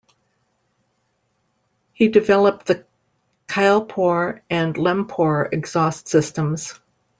He developed the Kylpor and Lempor exhaust systems.